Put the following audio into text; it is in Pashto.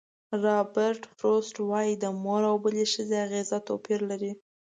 رابرټ فروسټ وایي د مور او بلې ښځې اغېزه توپیر لري.